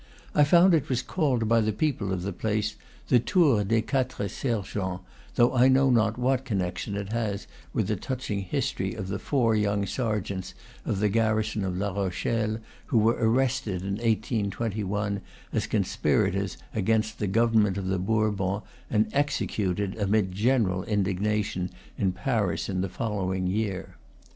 I found it was called by the people of the place the Tour des Quatre Sergents, though I know not what connection it has with the touching history of the four young sergeants of the garrison of La Rochelle, who were arrested in 1821 as conspirators against the Government of the Bour bons, and executed, amid general indignation, in Paris in the following year.